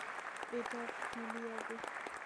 এটা খুলি আগে।